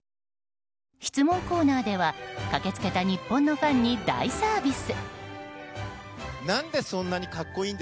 質問コーナーでは駆け付けた日本のファンに大サービス。